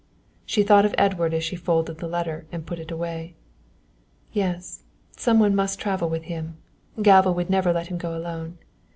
She thought of Edward as she folded the letter and put it away. "Yes, some one must travel with him Galva would never let him go alone.